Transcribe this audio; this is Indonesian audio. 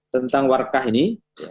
tentang warka ini